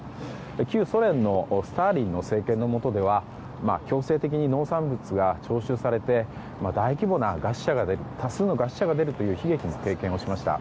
旧ソ連のスターリン政権のもとでは強制的に農産物が徴収されて多数の餓死者が出るという悲劇の経験をしました。